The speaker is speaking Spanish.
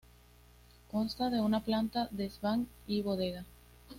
Consta de una planta, desván y bodega.